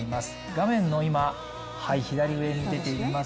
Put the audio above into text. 画面の今、左上に出ています